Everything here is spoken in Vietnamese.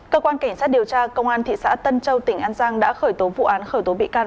cơ quan cảnh sát điều tra công an thị xã tân châu tỉnh an giang đã khởi tố vụ án khởi tố bị can